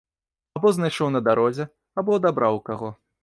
Або знайшоў на дарозе, або адабраў у каго.